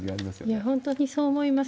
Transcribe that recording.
いや、本当にそう思います。